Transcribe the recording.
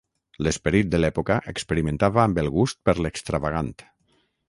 L'esperit de l'època experimentava amb el gust per l'extravagant.